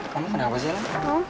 kamu kenapa sih lan